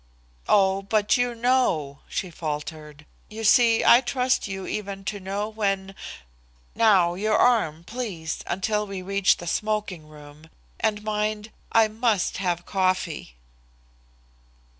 "Oh, but you know!" she faltered. "You see, I trust you even to know when ... Now your arm, please, until we reach the smoking room, and mind I must have coffee."